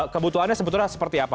kebutuhannya sebetulnya seperti apa